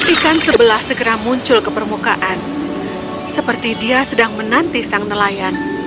ikan sebelah segera muncul ke permukaan seperti dia sedang menanti sang nelayan